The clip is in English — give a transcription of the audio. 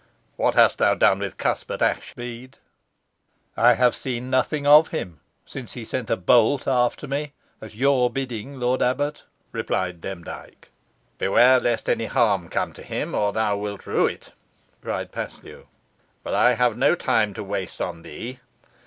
"What hast thou done with Cuthbert Ashbead?" "I have seen nothing of him since he sent a bolt after me at your bidding, lord abbot," replied Demdike. "Beware lest any harm come to him, or thou wilt rue it," cried Paslew. "But I have no time to waste on thee.